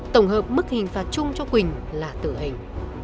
tổng hợp mức hình phạt chung cho quỳnh là tử hình